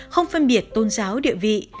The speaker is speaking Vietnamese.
không phân biệt tôn giáo địa vị